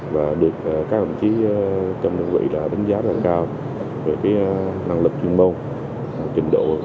và được các đồng chí trong đơn vị đã đánh giá rất cao về năng lực chuyên môn trình độ